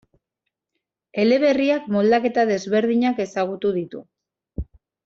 Eleberriak moldaketa desberdinak ezagutu ditu.